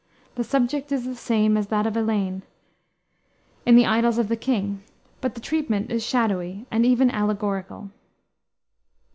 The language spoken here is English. The subject is the same as that of Elaine, in the Idylls of the King, but the treatment is shadowy, and even allegorical.